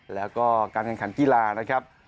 แล้วก็การคันกีฬานะครับ